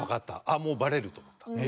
あっもうバレると思ったね。